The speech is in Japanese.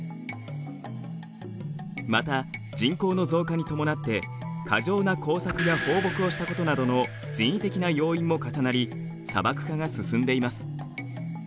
また人口の増加に伴って過剰な耕作や放牧をしたことなどの人為的な要因も重なり砂漠化が進んでいます。